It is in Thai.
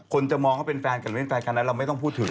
คนจะมองว่าเป็นแฟนกันเหมือนเป็นพร้อมบ้านและเราไม่ต้องพูดถึง